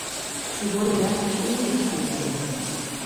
Sie wurde mehrfach umgeschrieben.